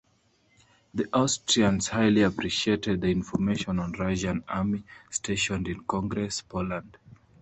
The Austrians highly appreciated the information on Russian army, stationed in Congress Poland.